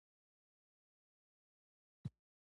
تنهایې مې په ځوانۍ کې نه ځائیږې